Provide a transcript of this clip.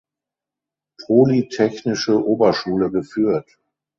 Polytechnische Oberschule geführt.